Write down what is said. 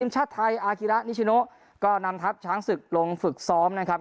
ชาติไทยอาฮิระนิชิโนก็นำทัพช้างศึกลงฝึกซ้อมนะครับ